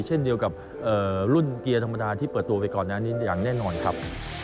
เช่นเดียวกับรุ่นเกียร์ธรรมดาที่เปิดตัวไปก่อนหน้านี้อย่างแน่นอนครับ